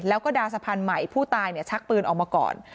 แล้วก็ดาวสะพานใหม่ผู้ตายชักปืนออกมาก่อน